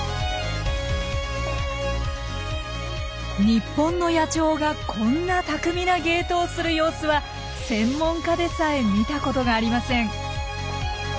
日本の野鳥がこんな巧みな芸当をする様子は専門家でさえ見たことがありません。